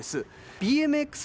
ＢＭＸ